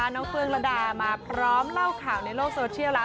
เฟืองระดามาพร้อมเล่าข่าวในโลกโซเชียลแล้ว